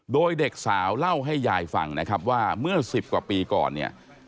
โดยเด็กแสาเล่าให้ยายกรุงศัพท์ฟังนะครับว่า๑๐กว่าปีก่อน